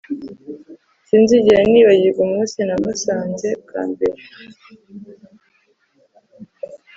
Sinzigera nibagirwa umunsi namusanze bwa mbere